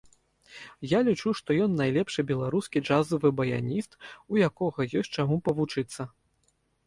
Я лічу, што ён найлепшы беларускі джазавы баяніст, у якога ёсць чаму павучыцца.